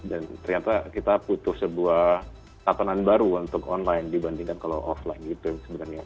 dan ternyata kita butuh sebuah tatanan baru untuk online dibandingkan kalau offline gitu sebenarnya